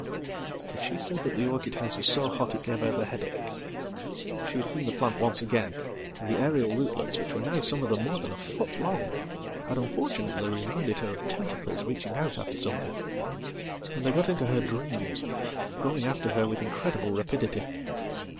"But she said that the orchid house was so hot it gave her the headache. She had seen the plant once again, and the aerial rootlets, which were nowsome of them more than a foot long, had unfortunately reminded her oftentacles reaching out after something; and they got into her dreams, growing after her with incredible rapidity.